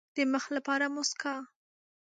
د مخ لپاره موسکا.